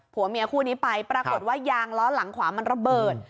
ผัวเมียคู่นี้ไปปรากฏว่ายางล้อหลังขวามันระเบิด